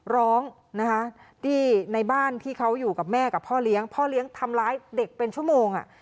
ร้องนะคะที่ในบ้านที่เขาอยู่กับแม่กับพ่อเลี้ยงพ่อเลี้ยงทำร้ายเด็กเป็นชั่วโมง